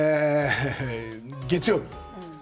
月曜日。